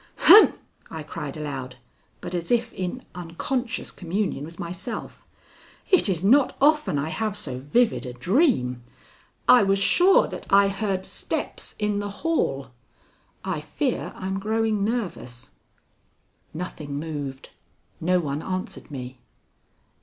"Humph," I cried aloud, but as if in unconscious communion with myself, "it is not often I have so vivid a dream! I was sure that I heard steps in the hall. I fear I'm growing nervous." Nothing moved. No one answered me.